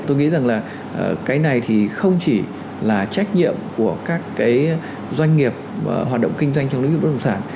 tôi nghĩ rằng là cái này thì không chỉ là trách nhiệm của các cái doanh nghiệp hoạt động kinh doanh trong lĩnh vực bất động sản